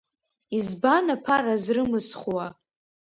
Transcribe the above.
Избан аԥара зрымысхуа?